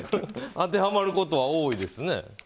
当てはまることは多いですね。